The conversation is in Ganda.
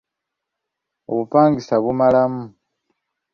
Obupangisa bumalamu.